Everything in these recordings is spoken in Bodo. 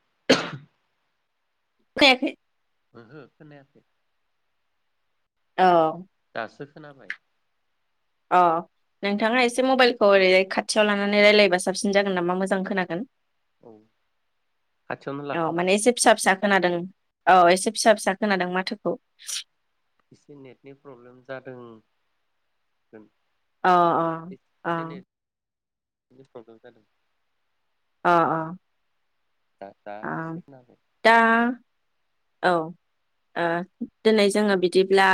[unintelligible] [unintelligible] ओहो खोनायाखै। औ। दासो खोनाबाय। अ औ नोंथाङा एसे मबाइल औ ओरैजाय खाथियाव लानानै रायलायबा साबसिन जागोन नामा? मोजां खोनागोन। औ खाथियावनो औ लाखादां माने एसे फिसा फिसा खोनादों। औ एसे फिसा फिसा खोनादों माथोखौ। इसे नेटनि प्रब्लेम जादों। अ अ अ। बिनो प्रबलेम जादों। अ अ। दा दा आ एसे खोनाबाय दा औ। दिनै जोङो बिदिब्ला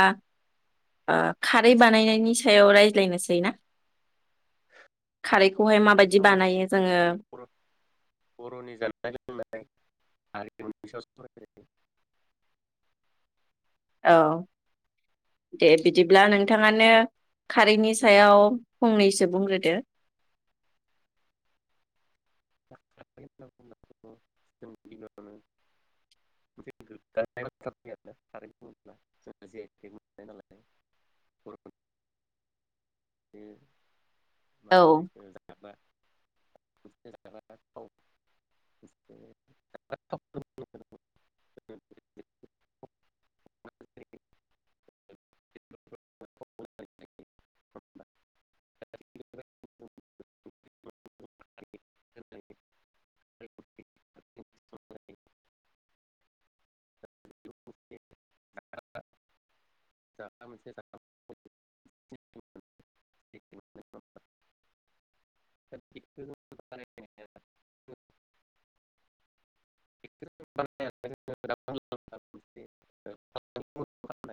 खारै बानायनायनि सायाव रायज्लायनोसै ना, खारै सावराय जायो‌ जोंनि बरनि जानाय लोंनाय। ओमफाय आरिमुनि सायाव सावराय जायो। औ दे बिदिब्ला नोंथाङानो खारैनि सायाव फंनैसो बुंग्रोदो। जों उावनो‌ [unintelligible] आरोोना कारेन्ट बुङोब्ला जों ज मोननाय नालाय। बेनो औ मा होनो बेखो जागारना [unintelligible] [inaudible] मोनसे [inaudible] [inaudible]